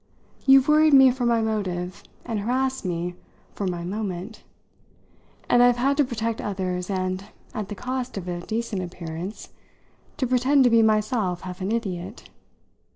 "You've worried me for my motive and harassed me for my 'moment,' and I've had to protect others and, at the cost of a decent appearance, to pretend to be myself half an idiot.